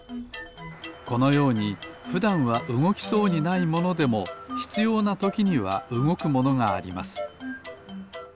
このようにふだんはうごきそうにないものでもひつようなときにはうごくものがあります